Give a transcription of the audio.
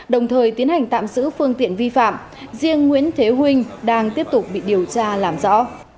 đồng thời tiến hành tạm giữ phương tiện vi phạm riêng nguyễn thế huynh đang tiếp tục bị điều tra làm rõ